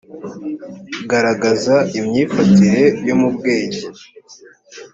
garagaza imyifatire yo mu bwenge